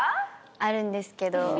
あるんですけど。